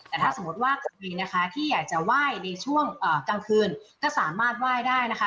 แต่ถ้าสมมติว่าใครนะคะที่อยากจะไหว้ในช่วงกลางคืนก็สามารถไหว้ได้นะคะ